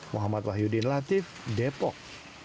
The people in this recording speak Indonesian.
muhammad wahyudin latif depok